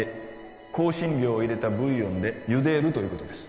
香辛料を入れたブイヨンで茹でるということです